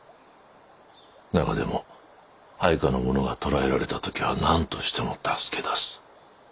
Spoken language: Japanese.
中でも配下の者が捕らえられた時は何としても助け出す。